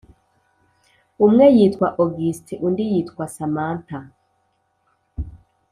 umwe yitwa august undi yitwa samantha